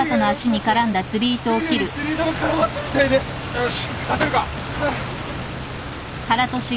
よし。